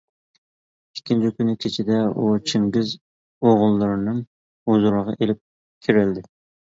ئىككىنچى كۈنى كېچىدە ئۇ چىڭگىز ئوغۇللىرىنىڭ ھۇزۇرىغا ئېلىپ كىرىلدى.